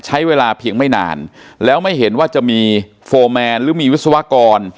ใช้เวลาเพียงไม่นานแล้วไม่เห็นว่าจะมีโฟร์แมนหรือมีวิศวกร